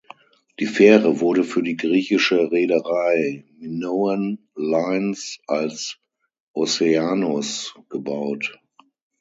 Die Fähre wurde für die griechische Reederei Minoan Lines als "Oceanus" gebaut.